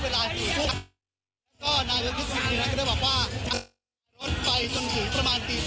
ก็นางก็คิดว่านี่นะก็ได้บอกว่ารถไปสมถือประมาณตีต่อ